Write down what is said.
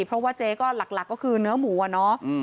เพราะว่าเจ๊ก็หลักก็คือเนื้อหมูอะเนาะ